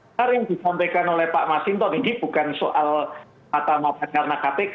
sekarang yang disampaikan oleh pak mas hinton ini bukan soal mata maafan karena kpk